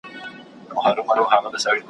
خدای به یې کله عرضونه واوري `